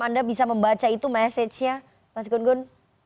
anda bisa membaca itu mesejnya mas gungun